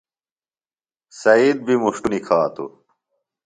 سعید بیۡ مُݜٹو نِکھاتُوۡ۔